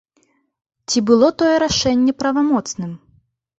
Ці было тое рашэнне правамоцным?